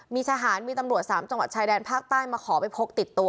มีทหารมีตำรวจ๓จังหวัดชายแดนภาคใต้มาขอไปพกติดตัว